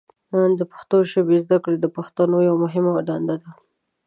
د پښتو ژبې زده کړه د پښتنو یوه مهمه دنده ده.